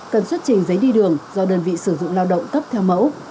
cần xuất trình giấy đi đường do đơn vị sử dụng lao động cấp theo mẫu